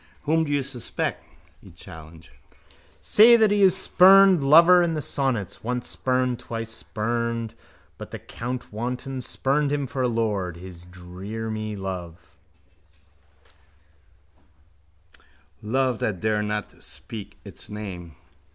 —Whom do you suspect? he challenged. —Say that he is the spurned lover in the sonnets. Once spurned twice spurned. But the court wanton spurned him for a lord, his dearmylove. Love that dare not speak its name.